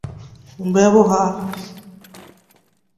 কর্ণের অন্যান্য অ-গাণিতিক ব্যবহারও রয়েছে।